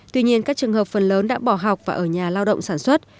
tuy nhiên các trường hợp phần lớn đã bỏ học và ở nhà lao động sản xuất